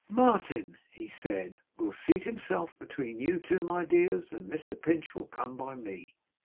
'Martin,' he said, 'will seat himself between you two, my dears, and Mr Pinch will come by me.